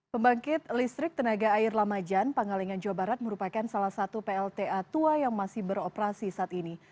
pembangkit listrik tenaga air lamajan pangalengan jawa barat merupakan salah satu plta tua yang masih beroperasi saat ini